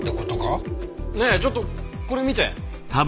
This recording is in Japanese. ねえちょっとこれ見て。